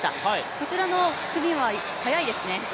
こちらの組は速いですね。